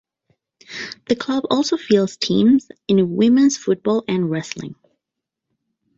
The club also fields teams in women's football and wrestling.